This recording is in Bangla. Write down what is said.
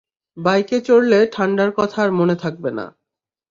বাইকে চড়লে ঠাণ্ডার কথা আর মনে থাকবে না!